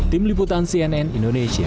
tim liputan cnn indonesia